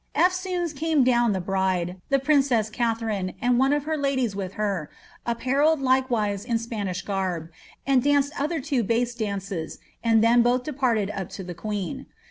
'' EAsoons came down the bride, the princess Katharine, and one of her ladies with her, appa relled likewise in Spanish garb, and danced other two base dances, and then both departed up to the queen.